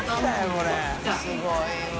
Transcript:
すごいわ。